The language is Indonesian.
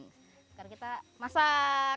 sekarang kita masak